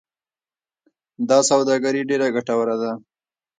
دا سوداګري ډیره ګټوره ده.